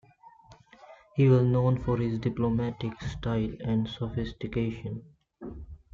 He was known for his diplomatic style and sophistication.